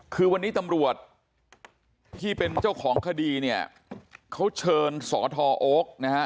คือวันนี้ตำรวจที่เป็นเจ้าของคดีเนี่ยเขาเชิญสทโอ๊คนะฮะ